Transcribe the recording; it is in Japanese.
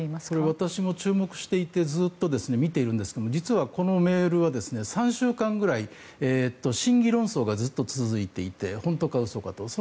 これ私も注目していてずっと見ているんですが実はこのメールは３週間ぐらい真偽論争がずっと続いていて本当か嘘かと。